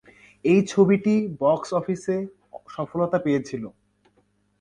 এই ছবিটি বক্স অফিসে সফলতা পেয়েছিল।